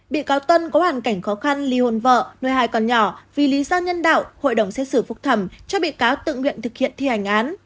bị cáo tuân có hoàn cảnh khó khăn ly hôn vợ nuôi hai con nhỏ vì lý do nhân đạo hội đồng xét xử phúc thẩm cho bị cáo tự nguyện thực hiện thi hành án